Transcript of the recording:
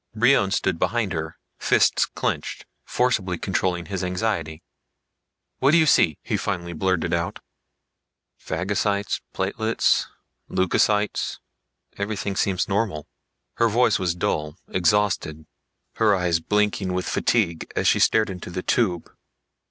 Brion stood behind her, fists clenched, forceably controlling his anxiety. "What do you see?" he finally blurted out. "Phagocytes, platelets ... leucocytes ... everything seems normal." Her voice was dull, exhausted, her eyes blinking with fatigue as she stared into the tube.